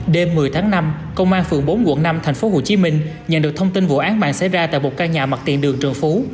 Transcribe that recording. đêm một mươi tháng năm công an phường bốn quận năm tp hcm nhận được thông tin vụ án mạng xảy ra tại một căn nhà mặt tiện đường trường phú